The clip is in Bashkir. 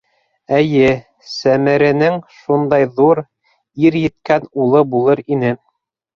Эйе, Сәмәрәнең шундай ҙур, ир еткән улы булыр ине!